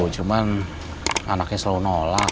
cuman anaknya selalu nolak